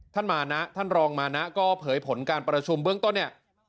มานะท่านรองมานะก็เผยผลการประชุมเบื้องต้นเนี่ย